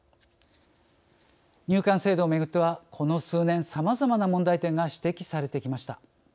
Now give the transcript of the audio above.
入管制度をめぐってはこの数年さまざまな問題点が指摘されてきました。